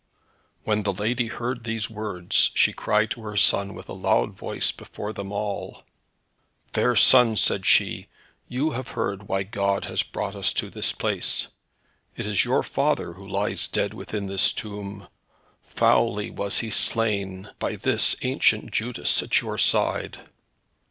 When the lady heard these words she cried to her son with a loud voice before them all. "Fair son," said she, "you have heard why God has brought us to this place. It is your father who lies dead within this tomb. Foully was he slain by this ancient Judas at your side."